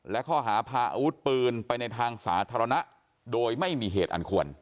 และข้อหาพาอาวุธปืนไปในทางสาธารณะโดยไม่มีเหตุอันควร